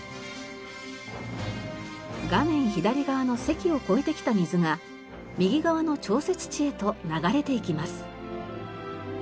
画面左側の堰を越えてきた水が右側の調節池へと流れていきます。